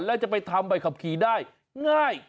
แล้วจะไปทำใบขับขี่ได้ง่าย